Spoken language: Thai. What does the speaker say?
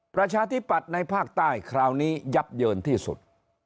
ประชาธิปัตย์ในภาคใต้คราวนี้ยับเยินที่สุด